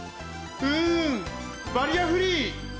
うんバリアフリー！